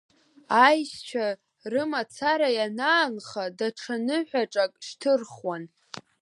Аешьцәа, рымацара ианаанха, даҽа ныҳәаҿак шьҭырхуан.